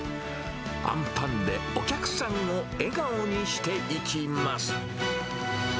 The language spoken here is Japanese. あんパンでお客さんを笑顔にしていきます。